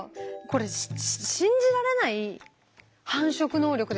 これ信じられない繁殖能力ですよね？